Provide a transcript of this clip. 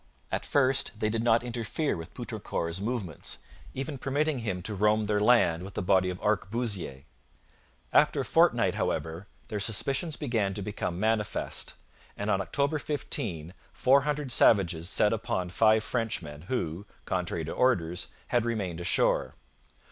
At first they did not interfere with Poutrincourt's movements, even permitting him to roam their land with a body of arquebusiers. After a fortnight, however, their suspicions began to become manifest, and on October 15 four hundred savages set upon five Frenchmen who, contrary to orders, had remained ashore.